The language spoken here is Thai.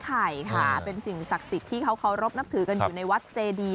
ไข่ค่ะเป็นสิ่งศักดิ์สิทธิ์ที่เขาเคารพนับถือกันอยู่ในวัดเจดี